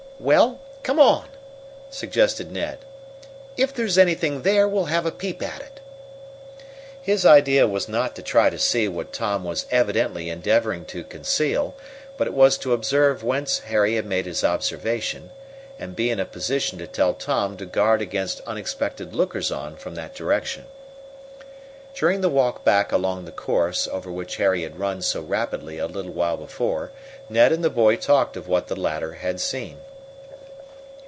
"Well, come on," suggested Ned. "If there's anything there, we'll have a peep at it." His idea was not to try to see what Tom was evidently endeavoring to conceal, but it was to observe whence Harry had made his observation, and be in a position to tell Tom to guard against unexpected lookers on from that direction. During the walk back along the course over which Harry had run so rapidly a little while before, Ned and the boy talked of what the latter had seen.